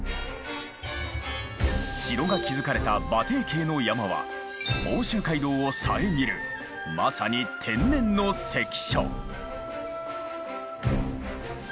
城が築かれた馬蹄形の山は奥州街道を遮るまさに天然の関所。